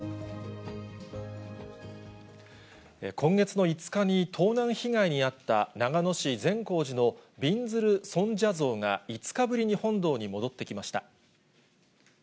以上、今月の５日に盗難被害に遭った、長野市善光寺のびんずる尊者像が５日ぶりに本堂に戻ってきました。